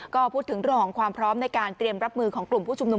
ก็พูดถึงเรื่องของความพร้อมในการเตรียมรับมือของกลุ่มผู้ชุมนุม